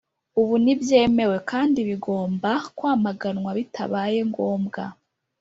ubu ntibyemewe kandi bigomba kwamaganwa bitabaye ngombwa